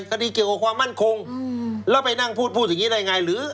คดีเกี่ยวกับความมั่นคงแล้วไปนั่งพูดพูดอย่างนี้ได้ไงหรือ